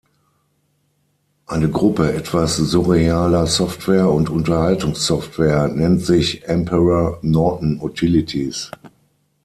Eine Gruppe etwas surrealer Software und Unterhaltungssoftware nennt sich "Emperor Norton Utilities".